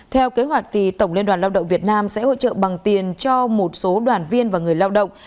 theo kế hoạch tổng liên đoàn lao động việt nam sẽ hỗ trợ bằng tiền cho một số đoàn viên và người lao động